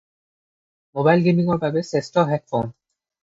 ম’বাইল গে’মিঙৰ বাবে শ্ৰেষ্ঠ হেডফ’ন